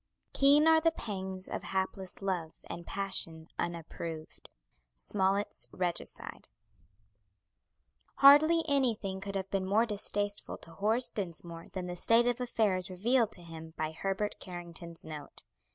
Keen are the pangs Of hapless love and passion unapproved. SMOLLETT'S "REGICIDE" Hardly anything could have been more distasteful to Horace Dinsmore than the state of affairs revealed to him by Herbert Carrington's note.